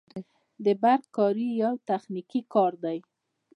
د برق کاري یو تخنیکي کار دی